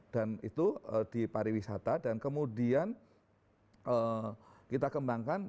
dan itu di pariwisata dan kemudian kita kembangkan